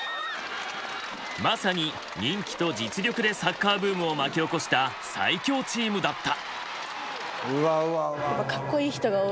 まさに人気と実力でサッカーブームを巻き起こした最強チームだった。